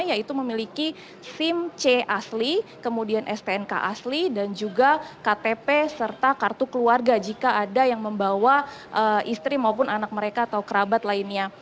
yaitu memiliki sim c asli kemudian stnk asli dan juga ktp serta kartu keluarga jika ada yang membawa istri maupun anak mereka atau kerabat lainnya